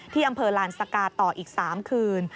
ที่อำเภอลานสกาต่ออีก๓คืน